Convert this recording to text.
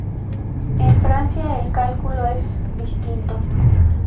En Francia el cálculo es distinto.